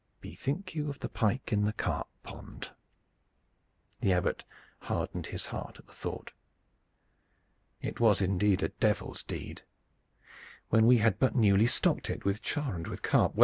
"Bethink you of the pike in the carp pond!" The Abbot hardened his heart at the thought. "It was indeed a devil's deed when we had but newly stocked it with char and with carp.